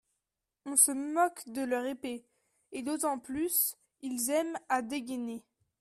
On se moque de leur épée ; et d'autant plus, ils aiment à dégainer.